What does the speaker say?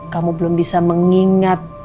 kamu belum bisa mengingat